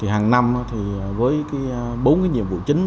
hàng năm với bốn nhiệm vụ chính